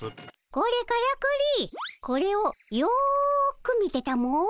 これからくりこれをよく見てたも。